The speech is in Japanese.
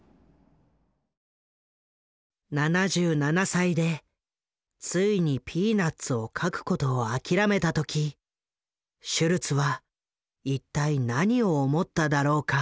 ７７歳でついに「ピーナッツ」を描くことを諦めた時シュルツは一体何を思っただろうか？